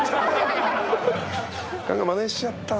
何かマネしちゃったな。